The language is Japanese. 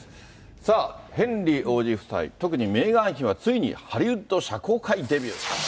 さあ、ヘンリー王子夫妻、特にメーガン妃はついにハリウッド社交界デビューと。